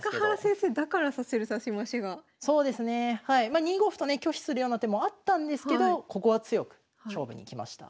まあ２五歩とね拒否するような手もあったんですけどここは強く勝負にきました。